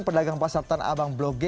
pedagang pasar tanah abang blok g